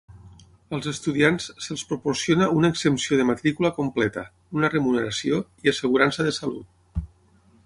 Als estudiants se'ls proporciona una exempció de matrícula completa, una remuneració i assegurança de salut.